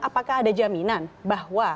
apakah ada jaminan bahwa